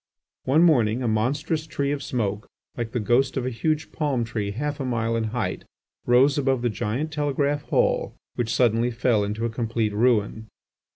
One morning a monstrous tree of smoke, like the ghost of a huge palm tree half a mile in height, rose above the giant Telegraph Hall which suddenly fell into a complete ruin.